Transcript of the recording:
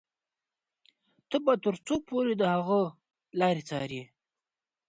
ته به تر څو پورې د هغه لارې څاري.